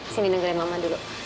sini nenggelin mama dulu